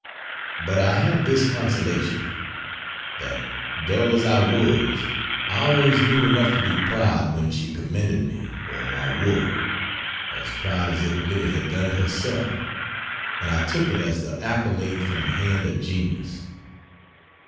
But I have this consolation: that dull as I was, I always knew enough to be proud when she commended me or my work as proud as if Livy had done it herself and I took it as the accolade from the hand of genius.